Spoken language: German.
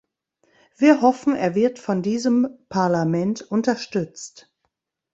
Wir hoffen, er wird von diesem Parlament unterstützt.